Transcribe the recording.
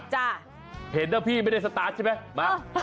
เห็นนะพี่ไม่ได้สตาร์ทใช่ไหมมา